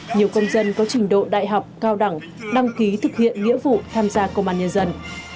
nhiều công dân có trình độ đại học cao đẳng đăng ký thực hiện nghĩa vụ tham gia công an nhân dân